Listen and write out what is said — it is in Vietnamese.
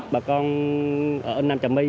bà con ở nam trà my